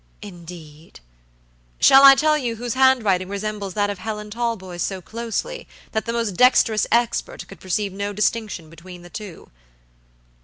"Indeed." "Shall I tell you whose handwriting resembles that of Helen Talboys so closely, that the most dexterous expert could perceive no distinction between the two?"